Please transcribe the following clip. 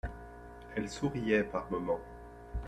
Elle souriait par moments.